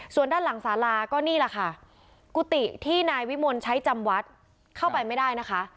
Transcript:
ส่วนด้านหลังสาราก็นี่แหละค่ะกุฏิที่นายวิมลใช้จำวัดเข้าไปไม่ได้นะคะ